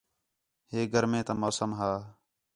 ہے گرمیں تا موسم ہا